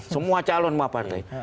semua calon mau partai